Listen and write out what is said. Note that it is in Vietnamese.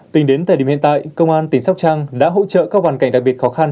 tính đến thời điểm hiện tại công an tỉnh sóc trăng đã hỗ trợ các hoàn cảnh đặc biệt khó khăn